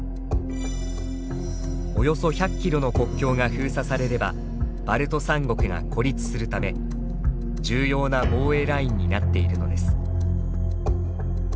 およそ１００キロの国境が封鎖されればバルト３国が孤立するため重要な防衛ラインになっているのです。